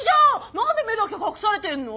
何で目だけ隠されてんの？